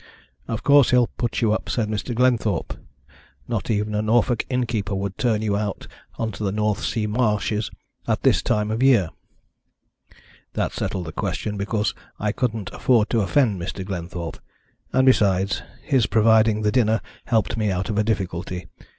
'Of course he'll put you up,' said Mr. Glenthorpe. 'Not even a Norfolk innkeeper would turn you out on to the North Sea marshes at this time of year.' That settled the question, because I couldn't afford to offend Mr. Glenthorpe, and besides, his providing the dinner helped me out of a difficulty.